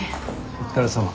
お疲れさま。